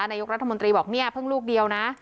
นายกรัฐมนตรีบอกเนี่ยเพิ่งลูกเดียวนะ